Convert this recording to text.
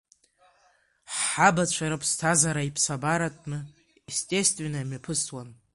Ҳабацәа рыԥсҭазаара иԥсабаратәны естественно имҩаԥысуан…